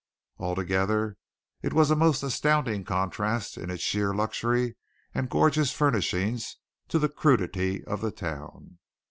Altogether it was a most astounding contrast in its sheer luxury and gorgeous furnishing to the crudity of the town.